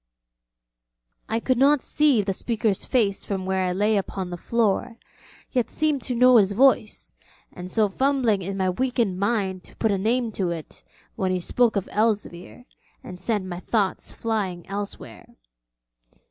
I could not see the speaker's face from where I lay upon the floor, yet seemed to know his voice; and so was fumbling in my weakened mind to put a name to it, when he spoke of Elzevir, and sent my thoughts flying elsewhere.